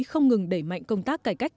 không ngừng đẩy mạnh công tác cải cách